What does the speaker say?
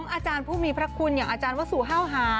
อาจารย์ผู้มีพระคุณอย่างอาจารย์วสุห้าวหา